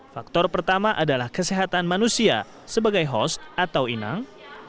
faktor pertama adalah kesehatan manusia sebagai host atau inang